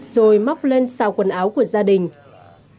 rồi móc lên xào quần áo của gia đình